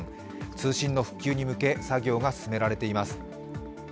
通信の復旧に向け作業が進められています。